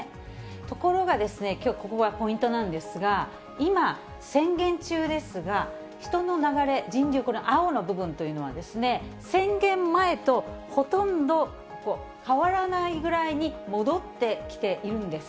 ところがですね、きょう、ここがポイントなんですが、今、宣言中ですが、人の流れ、人流、この青の部分というのは、宣言前とほとんど変わらないぐらいに戻ってきているんです。